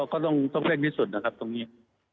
ก็ต้องเร่งที่สุดนะครับตรงนี้